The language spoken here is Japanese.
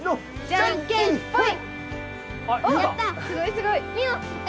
じゃんけんほい。